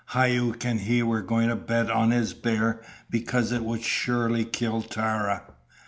Hauck and he were going to bet on his bear because it would surely kill Tara.